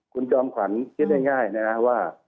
คุณจ้อมขวานคิดได้ง่ายนะคะว่า